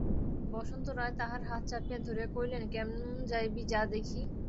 বসন্ত রায় তাঁহার হাত চাপিয়া ধরিয়া কহিলেন, কেমন যাইবি যা দেখি।